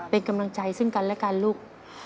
เป็นกำลังใจซึ่งกันและกันลูก